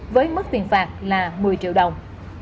với mức tiền phạt là một mươi triệu đồng